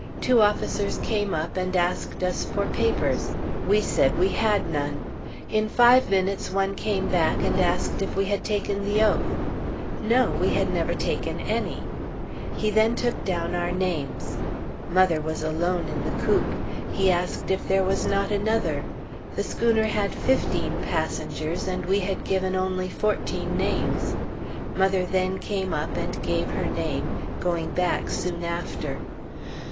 Two officers came up and asked us for papers; we said we had none. In five minutes one came back, and asked if we had taken the oath. No; we had never taken any. He then took down our names. Mother was alone in the coop. He asked if there was not another. The schooner had fifteen passengers, and we had given only fourteen names. Mother then came up and gave her name, going back soon after.